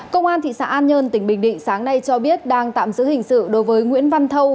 công an thị xã an nhơn tỉnh bình định sáng nay cho biết đang tạm giữ hình sự đối với nguyễn văn thâu